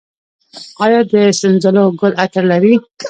آیا د سنځلو ګل عطر لري؟